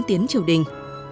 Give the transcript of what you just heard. tiến triều đình